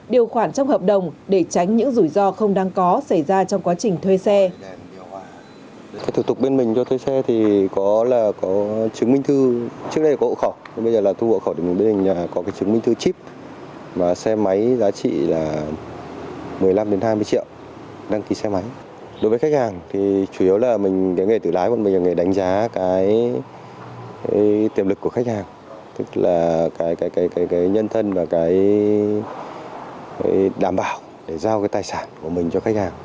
điều khoản trong hợp đồng để tránh những rủi ro không đang có xảy ra trong quá trình thuê xe